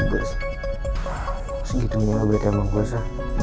masih gitu nih objek emang kuasa